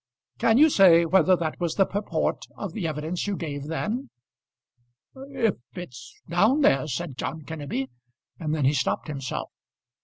Can you say whether that was the purport of the evidence you gave then?" "If it's down there " said John Kenneby, and then he stopped himself.